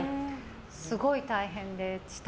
すごい大変でした。